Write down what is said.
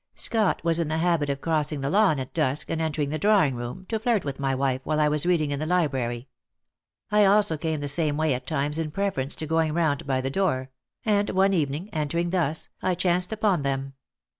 Scott was in the habit of crossing the lawn at dusk and entering the drawing room, to flirt with my wife while I was reading in the library. I also came the same way at times in preference to going round by the door; and one evening, entering thus, I chanced upon them.